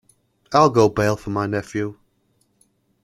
I’ll go bail for my nephew.